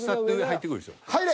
入れ！